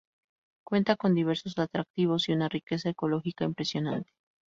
Cuenta con diversos atractivos, y una riqueza ecológica impresionante.